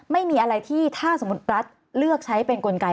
ไม่มีอะไรที่ถ้าสมมุติรัฐเลือกใช้เป็นกลไก